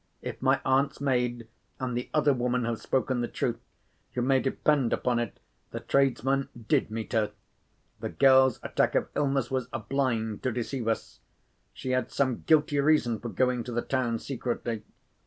"If my aunt's maid and the other woman have spoken the truth, you may depend upon it the tradesman did meet her. The girl's attack of illness was a blind to deceive us. She had some guilty reason for going to the town secretly.